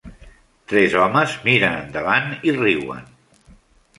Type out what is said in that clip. Tres homes miren endavant i riuen.